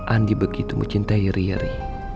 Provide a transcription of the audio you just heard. andi begitu mencintai riri